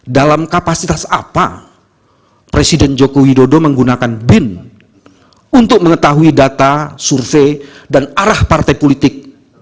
dalam kapasitas apa presiden joko widodo menggunakan bin untuk mengetahui data survei dan arah partai politik